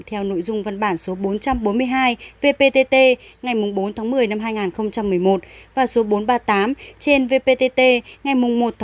theo nội dung văn bản số bốn trăm bốn mươi hai vptt ngày bốn một mươi hai nghìn một mươi một và số bốn trăm ba mươi tám trên vptt ngày một một mươi hai nghìn một mươi một